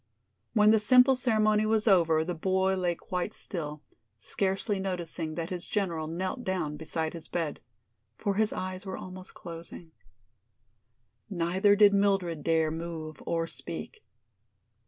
When the simple ceremony was over the boy lay quite still, scarcely noticing that his general knelt down beside his bed. For his eyes were almost closing. Neither did Mildred dare move or speak.